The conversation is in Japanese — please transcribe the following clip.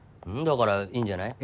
だからいいんじゃない？